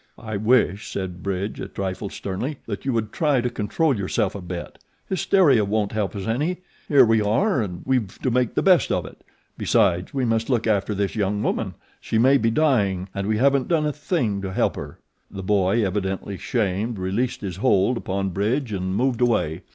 "I wish," said Bridge a trifle sternly, "that you would try to control yourself a bit. Hysteria won't help us any. Here we are, and we've to make the best of it. Besides we must look after this young woman she may be dying, and we haven't done a thing to help her." The boy, evidently shamed, released his hold upon Bridge and moved away.